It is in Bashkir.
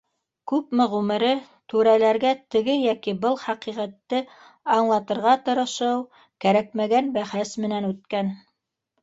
Күпме ғүмере түрәләргә теге йәки был хәҡиҡәтте аңлатырға тырышыу, кәрәкмәгән бәхәс менән үткән!